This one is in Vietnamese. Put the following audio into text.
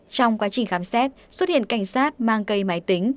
trong quá trình khám xét xuất hiện cảnh sát mang cây máy tính